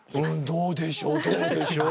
どうでしょうどうでしょう。